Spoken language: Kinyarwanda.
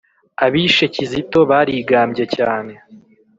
Abishe kizito barigambye cyane